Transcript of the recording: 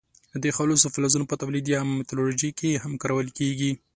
د خالصو فلزونو په تولید یا متالورجي کې هم کارول کیږي.